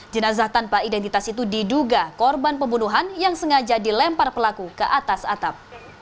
jenazah tanpa identitas itu diduga korban pembunuhan yang sengaja dilempar pelaku ke atas atap